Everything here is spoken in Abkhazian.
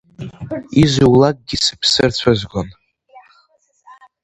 Изулакгьы сыԥсы рцәызгон…